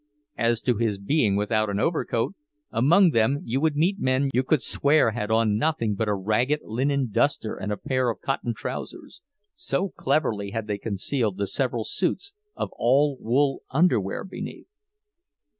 As to his being without an overcoat, among them you would meet men you could swear had on nothing but a ragged linen duster and a pair of cotton trousers—so cleverly had they concealed the several suits of all wool underwear beneath.